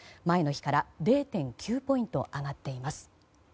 前の日から０．９ポイント上がっています。